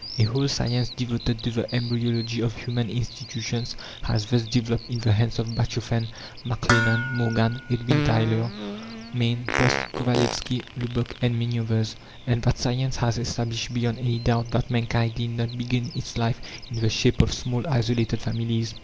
A whole science devoted to the embryology of human institutions has thus developed in the hands of Bachofen, MacLennan, Morgan, Edwin Tylor, Maine, Post, Kovalevsky, Lubbock, and many others. And that science has established beyond any doubt that mankind did not begin its life in the shape of small isolated families.